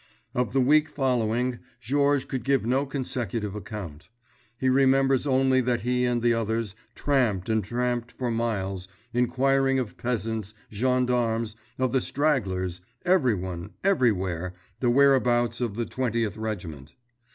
Of the week following Georges could give no consecutive account. He remembers only that he and the others tramped and tramped for miles inquiring of peasants, gendarmes, of the stragglers, everyone, everywhere, the whereabouts of the Twentieth Regiment.